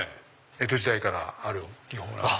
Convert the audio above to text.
江戸時代からある技法なんです。